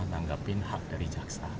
menanggapi hak dari jaksa